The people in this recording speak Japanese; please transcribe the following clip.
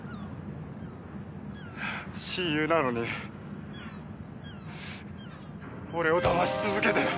親友なのに俺をだまし続けて！